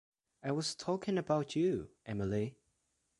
I was talking about you, Emily.